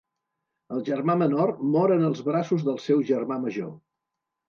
El germà menor mor en els braços del seu germà major.